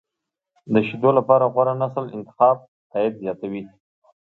د شیدو لپاره غوره نسل انتخاب، عاید زیاتوي.